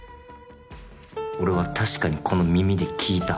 俺は確かにこの耳で聞いた。